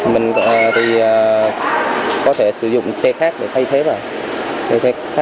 mình có thể sử dụng xe khác để thay thế vào